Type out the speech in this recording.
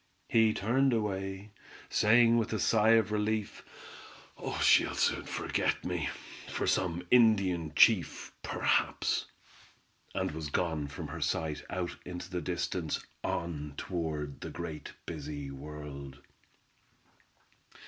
He turned away, saying with a sigh of relief: "She'll soon forget me, for some Indian Chief, perhaps," and was gone from her sight out into the distance, on toward the great busy world.